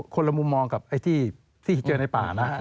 คนละมุมมองกับไอ้ที่เจอในป่านะ